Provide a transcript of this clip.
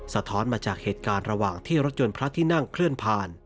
สะท้อนมาจากเหตุการณ์ระหว่างที่รถยนต์พระที่นั่งเคลื่อนผ่าน